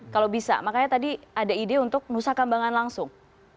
kalau bisa makanya tadi ada ide untuk nusakambangan langsung